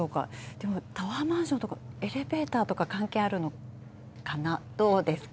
でもタワーマンションとか、エレベーターとか、関係あるのかな、どうですか？